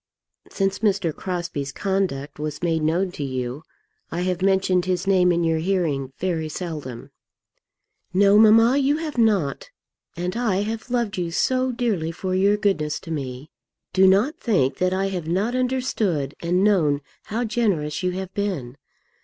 "Since Mr. Crosbie's conduct was made known to you, I have mentioned his name in your hearing very seldom." "No, mamma, you have not. And I have loved you so dearly for your goodness to me. Do not think that I have not understood and known how generous you have been.